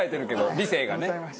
理性がね。